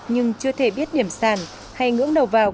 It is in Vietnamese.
nhưng chưa thể biết điểm sàn hay ngưỡng đầu vào